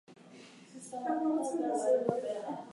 This book was written without access to classified documents.